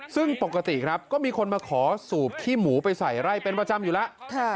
ซึ่งปกติครับก็มีคนมาขอสูบขี้หมูไปใส่ไร่เป็นประจำอยู่แล้ว